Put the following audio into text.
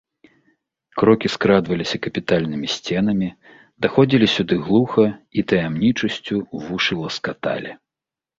Крокі скрадваліся капітальнымі сценамі, даходзілі сюды глуха і таямнічасцю вушы ласкаталі.